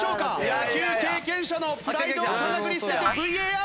野球経験者のプライドをかなぐり捨ててＶＡＲ。